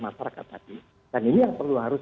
masyarakat tadi dan ini yang perlu harus